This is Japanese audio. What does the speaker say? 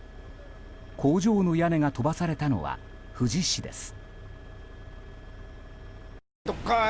工場の屋根が飛ばされたのは富士市です。